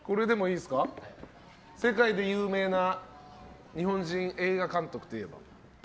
世界で有名な日本人映画監督といえば？